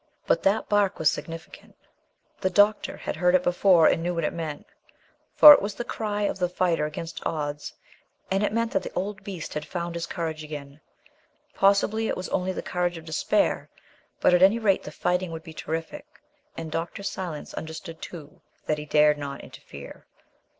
But that bark was significant; the doctor had heard it before and knew what it meant: for it was the cry of the fighter against odds and it meant that the old beast had found his courage again. Possibly it was only the courage of despair, but at any rate the fighting would be terrific. And Dr. Silence understood, too, that he dared not interfere.